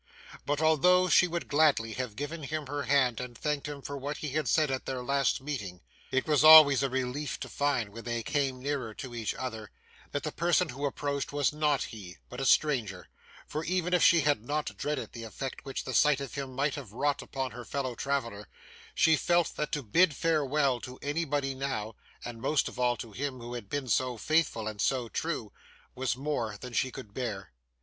But although she would gladly have given him her hand and thanked him for what he had said at their last meeting, it was always a relief to find, when they came nearer to each other, that the person who approached was not he, but a stranger; for even if she had not dreaded the effect which the sight of him might have wrought upon her fellow traveller, she felt that to bid farewell to anybody now, and most of all to him who had been so faithful and so true, was more than she could bear.